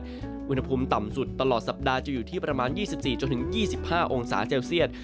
อุณหภูมิต่ำสุดตลอดสัปดาห์จะอยู่ที่ประมาณ๒๔๒๕องศาเซลเซียต